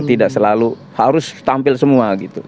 tidak selalu harus tampil semua gitu